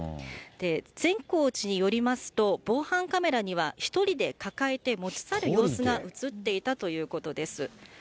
善光寺によりますと、防犯カメラには１人で抱えて持ち去る様子が写っていたということです。